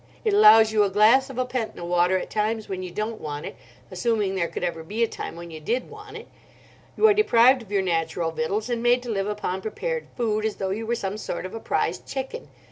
It allows you a glass of Apenta water at times when you don't want it, assuming there could ever be a time when you did want it. You are deprived of your natural victuals, and made to live upon prepared food, as though you were some sort of a prize chicken.